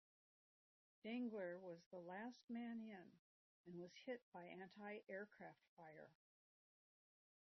Dengler was the last man in and was hit by anti-aircraft fire.